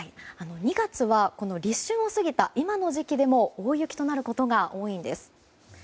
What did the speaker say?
２月は立春を過ぎた今の時期でも大雪となることが多いんです。